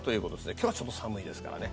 今日はちょっと寒いですからね